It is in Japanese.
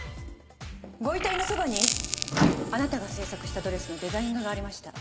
ご遺体のそばにあなたが制作したドレスのデザイン画がありました。